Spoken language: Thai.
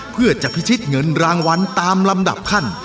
เพื่อจะพิชิตเงินรางวัลตามลำดับขั้น